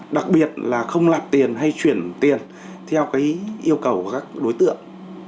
đặc biệt là không nạp tiền hay chuyển tiền theo yêu cầu của các đối tượng